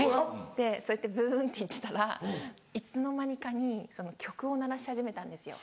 そうやってブンって行ってたらいつの間にかに曲を鳴らし始めたんですよ。